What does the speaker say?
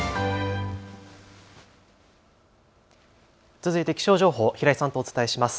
続いて気象情報、平井さんとお伝えします。